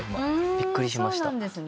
びっくりしました。